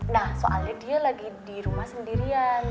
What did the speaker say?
nah soalnya dia lagi di rumah sendirian